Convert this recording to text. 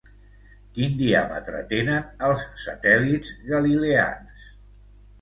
Quin diàmetre tenen els satèl·lits galileans?